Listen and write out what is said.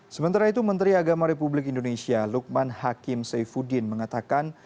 sementara itu menteri agama republik indonesia lukman hakim saifuddin mengatakan